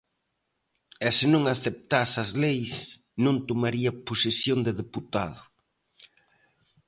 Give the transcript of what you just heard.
E se non aceptase as leis, non tomaría posesión de deputado.